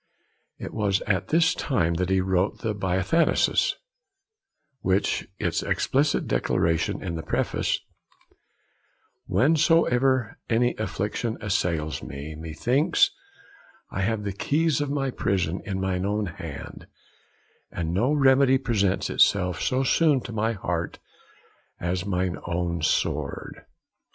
It was at this time that he wrote the Biathanatos, with its explicit declaration in the preface: 'Whensoever any affliction assails me, methinks I have the keys of my prison in mine own hand, and no remedy presents itself so soon to my heart as mine own sword.'